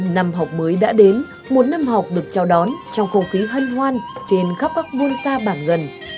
năm học mới đã đến một năm học được chào đón trong không khí hân hoan trên khắp bắc muôn sa bảng gần